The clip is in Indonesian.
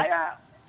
bukan menjamin ya